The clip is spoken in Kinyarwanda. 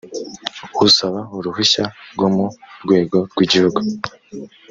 usaba uruhushya rwo mu rwego rw igihugu